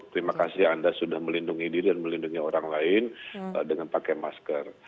terima kasih anda sudah melindungi diri dan melindungi orang lain dengan pakai masker